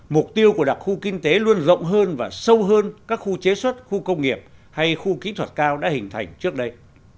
mục tiêu của đặc khu kinh tế luôn rộng hơn và sâu hơn các khu chế xuất khu công nghiệp hay khu kỹ thuật cao đã hình thành trước đây